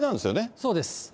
そうです。